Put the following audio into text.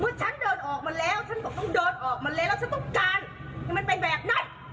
เมื่อฉันเดินออกมาแล้วฉันต้องเอาออกมาว่ะแล้วฉันต้องการยังไม่เป็นแบบนั้น